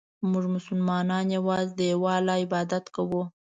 مونږ مسلمانان یوازې د یو الله ج عبادت کوو.